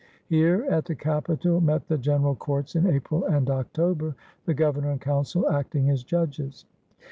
Here, at the capitol met the General Courts in April and October, the Governor and Council acting as judges.